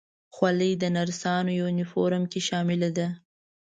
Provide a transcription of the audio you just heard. خولۍ د نرسانو یونیفورم کې شامله ده.